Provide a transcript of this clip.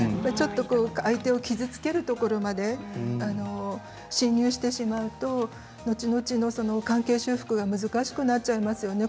相手を傷つけるところまで侵入してしまうとのちのちの関係の修復が難しくなってしまいますね。